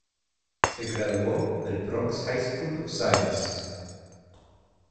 Se graduó del Bronx High School of Science.